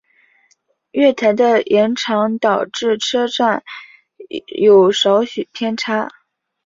月台的延长导致车站有少许偏差。